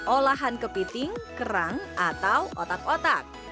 olahan kepiting kerang atau otak otak